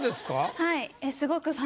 はい。